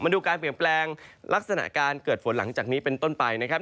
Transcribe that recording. ดูการเปลี่ยนแปลงลักษณะการเกิดฝนหลังจากนี้เป็นต้นไปนะครับ